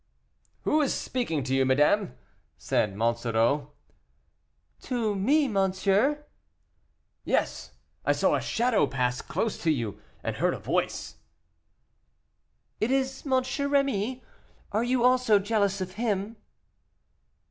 "Who is speaking to you, madame?" said Monsoreau. "To me, monsieur?" "Yes, I saw a shadow pass close to you, and heard a voice." "It is M. Rémy; are you also jealous of him?"